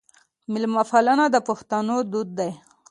میلمه پالنه د پښتنو دود دی.